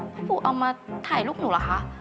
พ่อปู่เอามาถ่ายรูปหนูเหรอคะ